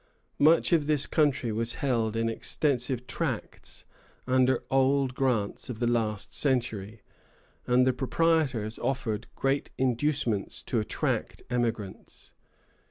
Much of this country was held in extensive tracts, under old grants of the last century, and the proprietors offered great inducements to attract emigrants.